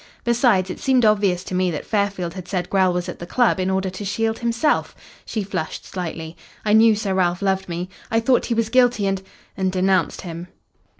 Besides, it seemed obvious to me that Fairfield had said Grell was at the club in order to shield himself." She flushed slightly. "I knew Sir Ralph loved me. I thought he was guilty and and denounced him.